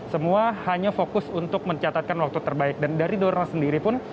semua hanya fokus untuk mencatatkan waktu terbaik dan dari donald sendiri pun